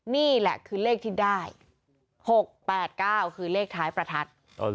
นี่แหละคือเลขที่ได้๖๘๙คือเลขท้ายประทัด